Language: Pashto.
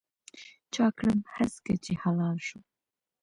چا کړم هسکه چې هلال شوم